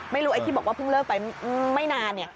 ไม่รู้ไอ้ที่บอกว่าเพิ่งเลิกไปไม่นาน